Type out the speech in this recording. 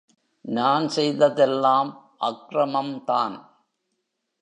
நான் செய்ததெல்லாம் அக்ரமம்தான்.